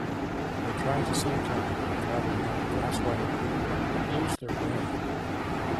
They try to save time by travelling up Glasswater Creek, but lose their way.